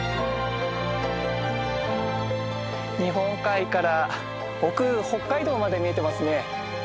日本海から奥北海道まで見えてますね。